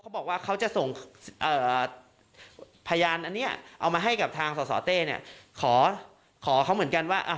บอกว่าเขาจะส่งพยานอันนี้เอามาให้กับทางสสเต้เนี่ยขอเขาเหมือนกันว่า